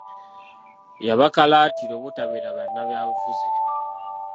Yabakalaatira obutabeera bannabyabufuzi.